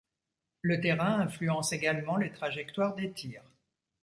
Le terrain influence également les trajectoires des tirs.